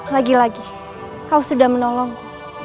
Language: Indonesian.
lagi lagi kau sudah menolong